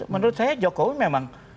menurut saya jokowi memang